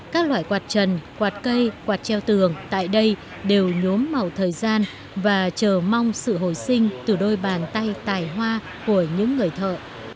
các loại quạt trần quạt cây quạt treo tường tại đây đều nhốm màu thời gian và chờ mong sự hồi sinh từ đôi bàn tay tài hoa của những người thợ